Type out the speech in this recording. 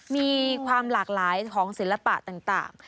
มีความหลากหลายของศิลปะต่าง